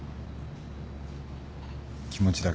気持ちだけで。